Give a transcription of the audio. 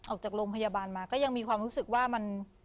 ออกจากโรงพยาบาลมาก็ยังมีความรู้สึกว่ามัน